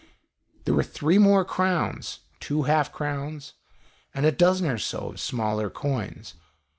There were three more crowns, two half crowns, and a dozen or so of smaller coins.